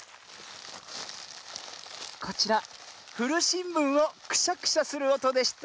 こちらふるしんぶんをクシャクシャするおとでした。